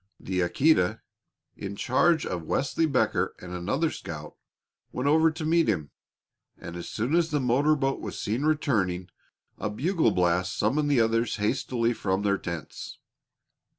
The Aquita, in charge of Wesley Becker and another scout, went over to meet him, and as soon as the motor boat was seen returning, a bugle blast summoned the others hastily from their tents.